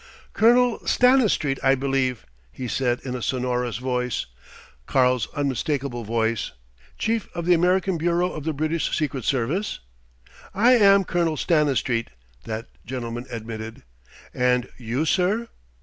"Colonel Stanistreet, I believe," he said in a sonorous voice "Karl's" unmistakable voice "chief of the American bureau of the British Secret Service?" "I am Colonel Stanistreet," that gentleman admitted. "And you, sir